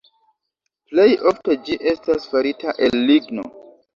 Plej ofte ĝi estas farita el ligno.